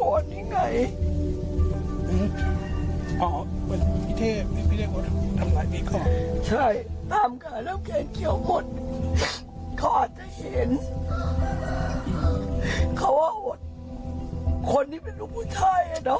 คนนี้เป็นลูกผู้ชายแห่งเรา